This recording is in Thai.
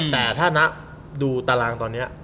แต่ถ้าดูตารางตอนนี้